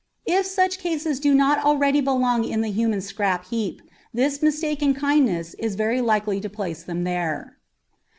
If such cases do not already belong in the human scrap heap, this mistaken kindness is very likely to place them there.